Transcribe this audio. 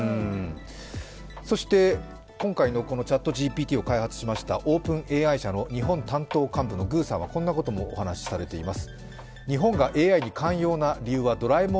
そして今回のこのＣｈａｔＧＰＴを開発しましたＯｐｅｎＡＩの日本担当幹部のグゥさんはこんなこともお話しされています。